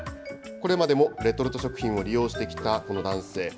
これまでもレトルト食品を利用してきたこの男性。